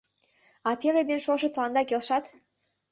— А теле ден шошо тыланда келшат?